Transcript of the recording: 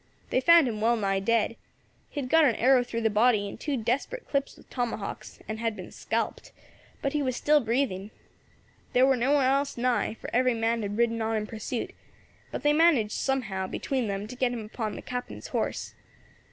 They found him well nigh dead. He had got an arrow through the body, and two desperate clips with tomahawks, and had been scalped, but he was still breathing. There war no one else nigh, for every man had ridden on in pursuit; but they managed, somehow, between them, to get him upon the Captain's horse.